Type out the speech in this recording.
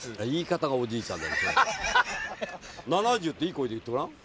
「７０」っていい声で言ってごらん？